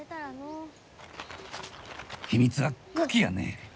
秘密は茎やね！